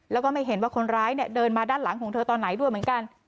แล้วก็ไม่เห็นว่าคนร้ายเนี่ยเดินมาด้านหลังของเธอตอนไหนด้วยเหมือนกัน